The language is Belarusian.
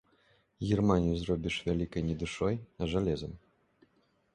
Германію зробіш вялікай не душой, а жалезам.